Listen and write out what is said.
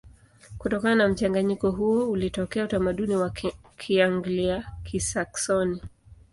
Kutokana na mchanganyiko huo ulitokea utamaduni wa Kianglia-Kisaksoni.